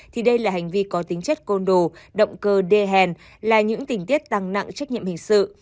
thì đây là hành vi có tính chất côn đồ động cơ đê hèn là những tình tiết tăng nặng trách nhiệm hình sự